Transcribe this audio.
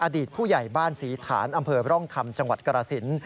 อดีตผู้ใหญ่บ้านศรีฐานอำเภอร่องคำจังหวัดกรสิน